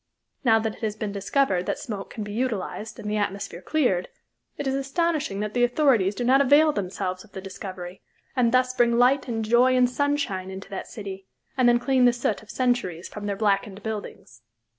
Now that it has been discovered that smoke can be utilized and the atmosphere cleared, it is astonishing that the authorities do not avail themselves of the discovery, and thus bring light and joy and sunshine into that city, and then clean the soot of centuries from their blackened buildings.